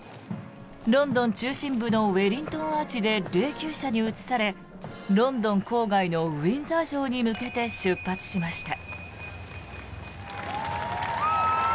ロンドン中心部のウェリントンアーチで霊きゅう車に移されロンドン郊外のウィンザー城に向けて出発しました。